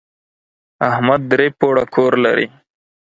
احمد درې پوړه کور لري.